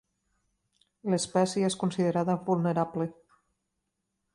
L'espècie és considerada vulnerable.